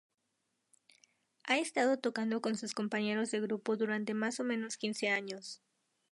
Ha estado tocando con sus compañeros de grupo durante más o menos quince años.